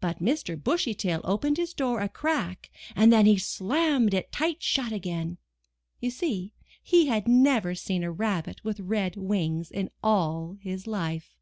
But Mr. Bushy Tail opened his door a crack and then he slammed it tight shut again. You see he had never seen a rabbit with red wings in all his life.